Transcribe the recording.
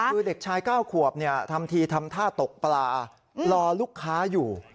คือเด็กชาย๙ขวบทำทีทำท่าตกปลารอลูกค้าอยู่